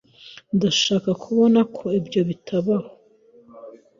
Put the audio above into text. Ndashaka kubona ko ibyo bitabaho.